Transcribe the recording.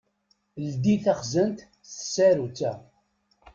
Ldi taxzant s tsarut-a.